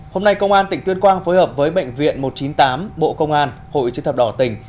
hôm nay công an tỉnh tuyên quang phối hợp với bệnh viện một trăm chín mươi tám bộ công an hội chức thập đỏ tỉnh